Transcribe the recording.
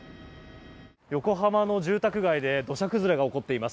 横浜の住宅街で土砂崩れが起こっています。